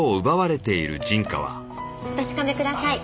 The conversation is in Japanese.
お確かめください。